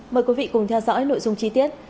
mời quý vị cùng theo dõi nội dung chi tiết